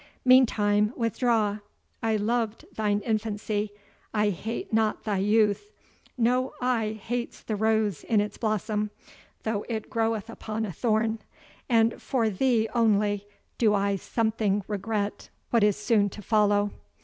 Meantime, withdraw I loved thine infancy, I hate not thy youth no eye hates the rose in its blossom, though it groweth upon a thorn, and for thee only do I something regret what is soon to follow.